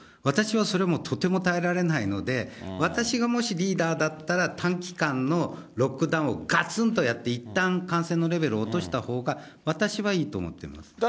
私はそれ、もう、とても耐えられないので、私がもしリーダーだったら、短期間のロックダウンをがつんとやって、いったん感染のレベルを落としたほうが、私はいいと思ってます。